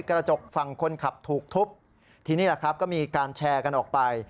กระจกฝั่งคนขับถูกทุบทีนี้แหละครับก็มีการแชร์กันออกไป